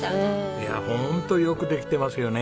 いやホントよくできてますよね。